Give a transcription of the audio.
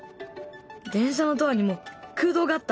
電車のドアにも空どうがあった！